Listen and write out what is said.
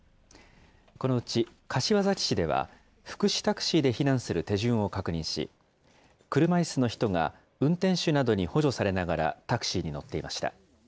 このうち柏崎市では、福祉タクシーで避難する手順を確認し、車いすの人が運転手などに補助されながらタクシーに乗っていました。